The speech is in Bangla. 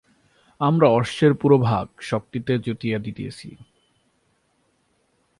আমরা অশ্বের পুরোভাগে শকটটিকে যুতিয়া দিতেছি।